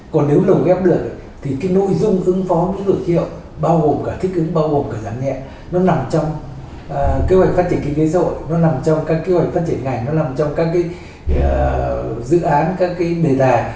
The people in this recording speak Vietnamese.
còn nếu lồng ghép được thì cái nội dung ứng phó biến đổi khí hậu bao gồm cả thiết kế bao gồm cả giảm nhẹ nó nằm trong kế hoạch phát triển kinh tế xã hội nó nằm trong các kế hoạch phát triển ngành nó nằm trong các cái dự án các cái đề tài